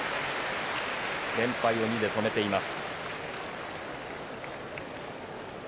連敗を２で止めています。